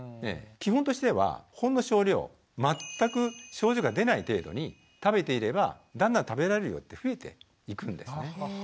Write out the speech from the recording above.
基本としてはほんの少量全く症状が出ない程度に食べていればだんだん食べられる量って増えていくんですね。